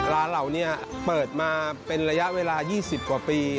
ร้านเหล่านี้เปิดมาเป็นระยะเวลา๒๐กว่าปี